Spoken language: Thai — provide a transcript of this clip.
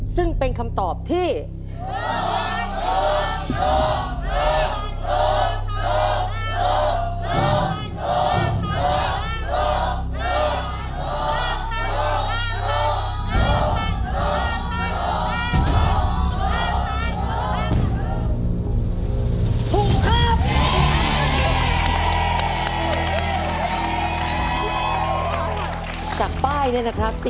ซึ่งเป็นคำตอบที่